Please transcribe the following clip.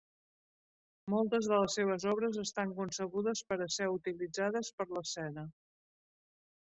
Moltes de les seves obres estan concebudes per a ser utilitzades per l'escena.